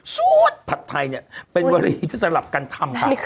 สูตรผัดไทยเนี่ยเป็นวรีที่สลับกันทำค่ะ